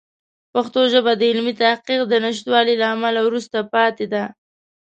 پښتو ژبه د علمي تحقیق د نشتوالي له امله وروسته پاتې ده.